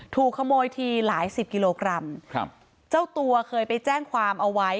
ถูกขโมยทีหลายสิบกิโลกรัมครับเจ้าตัวเคยไปแจ้งความเอาไว้